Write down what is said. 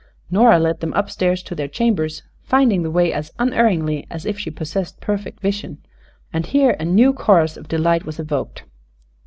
Nora led them upstairs to their chambers, finding the way as unerringly as if she possessed perfect vision, and here a new chorus of delight was evoked.